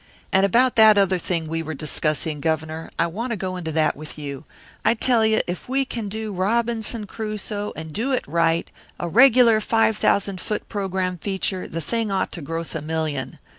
"And about that other thing we were discussing, Governor, I want to go into that with you. I tell you if we can do Robinson Crusoe, and do it right, a regular five thousand foot program feature, the thing ought to gross a million.